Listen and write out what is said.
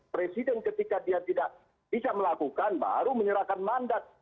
presiden ketika dia tidak bisa melakukan baru menyerahkan mandat